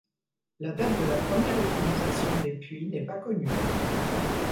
La date de la première utilisation des puits n'est pas connue.